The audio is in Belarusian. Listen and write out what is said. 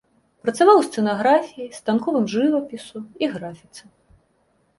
Працаваў у сцэнаграфіі, станковым жывапісу і графіцы.